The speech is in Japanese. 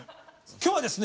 今日はですね